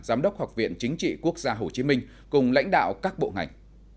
giám đốc học viện chính trị quốc gia hồ chí minh cùng lãnh đạo các bộ ngành